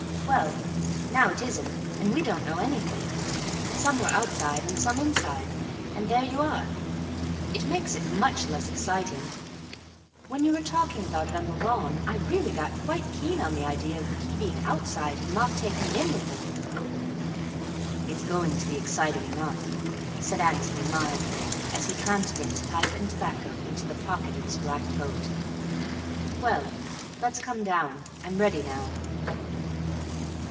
"Well, now, it isn't, and we don't know anything. Some were outside and some inside, and there you are. It makes it much less exciting. When you were talking about it on the lawn, I really got quite keen on the idea of the key being outside and Mark taking it in with him." "It's going to be exciting enough," said Antony mildly, as he transferred his pipe and tobacco into the pocket of his black coat. "Well, let's come down; I'm ready now."